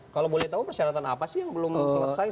kalau boleh tahu persyaratan apa sih yang belum selesai